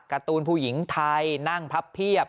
การ์ตูนผู้หญิงไทยนั่งพับเพียบ